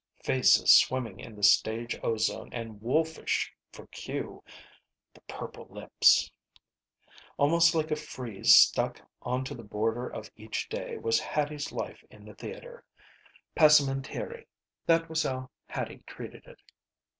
Faces swimming in the stage ozone and wolfish for cue. The purple lips Almost like a frieze stuck on to the border of each day was Hattie's life in the theater. Passementerie. That was how Hattie treated it.